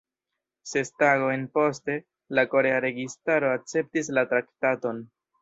Ses tagojn poste, la korea registaro akceptis la traktaton.